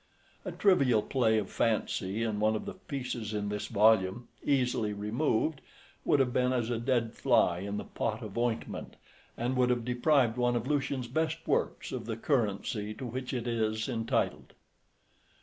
A trivial play of fancy in one of the pieces in this volume, easily removed, would have been as a dead fly in the pot of ointment, and would have deprived one of Lucian's best works of the currency to which it is entitled.